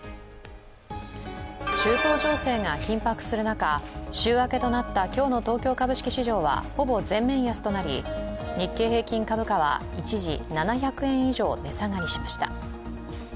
中東情勢が緊迫する中、週明けとなった今日の東京株式市場はほぼ全面安となり日経平均株価は、一時、７００円以上、値下がりしました。